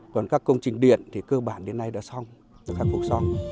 còn các công trình điện thì cơ bản đến nay đã xong rồi khắc phục xong